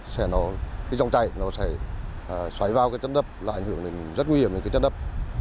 cái dòng chạy nó sẽ xoáy vào cái trấn đập lại ảnh hưởng đến rất nguy hiểm đến cái trấn đập